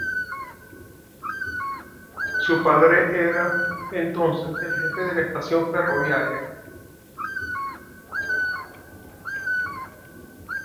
Su padre era entonces el jefe de la estación ferroviaria.